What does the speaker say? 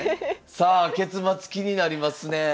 さあ結末気になりますねえ。